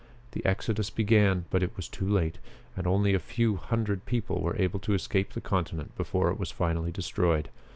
The exodus began, but it was too late, and only a few hundred people were able to escape the continent before it was finally destroyed.